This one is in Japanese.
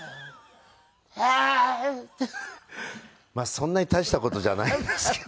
そんなに大した事じゃないんですけど。